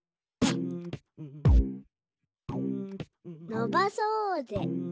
「のばそーぜ」